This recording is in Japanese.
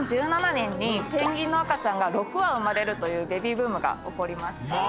２０１７年にペンギンの赤ちゃんが６羽生まれるというベビーブームが起こりました。